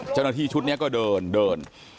เจ้าหน้าที่ชุดนี้ก็เดินเดิน